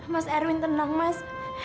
mas erwin tenang mas